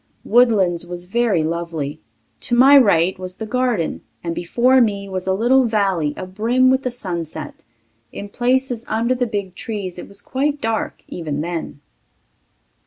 Woodlands was very lovely; to my right was the garden, and before me was a little valley abrim with the sunset. In places under the big trees it was quite dark even then.